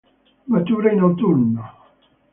Matura in autunno.